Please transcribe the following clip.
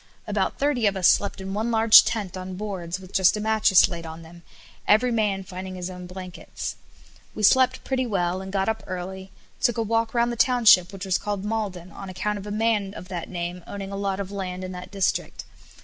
About thirty of us slept in one large tent on boards, with just a mattress laid on them, every man finding his own blankets. We slept pretty well, and got up early, took a walk round the township, which was called Maulden, on account of a man of that name owning a lot of land in that district.